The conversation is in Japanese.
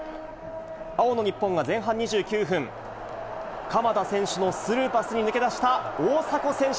青の日本が前半２９分、かまだ選手のスルーパスに抜け出した大迫選手。